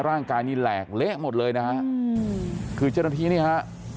ร่างกายนี่แหลกเละหมดเลยนะฮะคือเจ้าหน้าที่นี่ฮะ